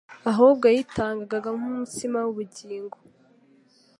ahubwo yitangaga nk'umutsima w'ubugingo.